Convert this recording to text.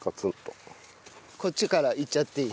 こっちからいっちゃっていい？